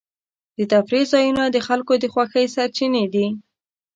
د تفریح ځایونه د خلکو د خوښۍ سرچینې دي.